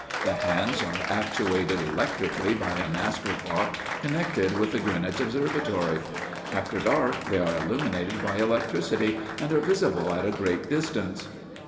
The hands are actuated electrically by a master clock connected with the Greenwich Observatory. After dark, they are illuminated by electricity, and are visible at a great distance.